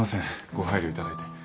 ご配慮いただいて